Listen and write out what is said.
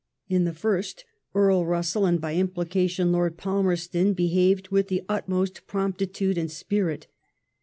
In the first, Earl Bussell, And, by implication, Lord Palmerston, behaved with the utmost promptitude and spirit.